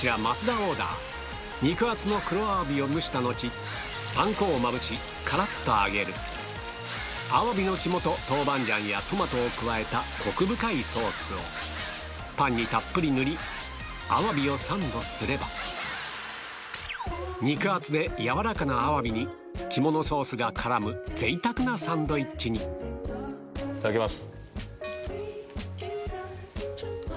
オーダー肉厚の黒アワビを蒸した後パン粉をまぶしカラっと揚げるコク深いソースをパンにたっぷり塗りアワビをサンドすれば肉厚で軟らかなアワビに肝のソースが絡む贅沢なサンドイッチにいただきます。